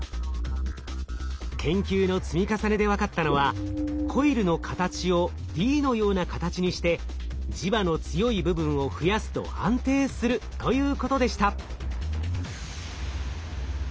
研究の積み重ねで分かったのはコイルの形をＤのような形にして磁場の強い部分を増やすと安定するということでした。